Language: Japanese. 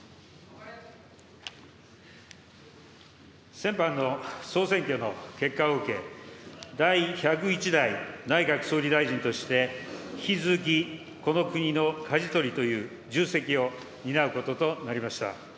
先般の総選挙の結果を受け、第１０１代内閣総理大臣として、引き続きこの国のかじ取りという重責を担うこととなりました。